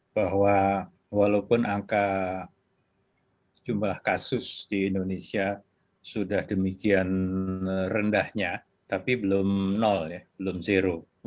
bahwa walaupun angka jumlah kasus di indonesia sudah demikian rendahnya tapi belum nol ya belum zero